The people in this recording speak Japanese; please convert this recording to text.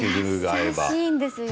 優しいんですよ。